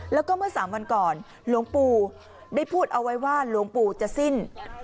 แล้วก็เมื่อ๓วันก่อนหลวงปู่ได้พูดเอาไว้ว่าหลวงปู่จะสิ้น